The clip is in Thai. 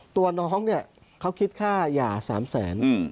ตัวน้องเขาคิดค่าหย่าสามแสน